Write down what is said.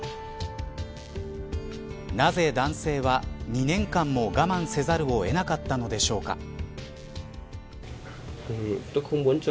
なぜ男性は２年間も我慢せざるを得なかったのでしょうか。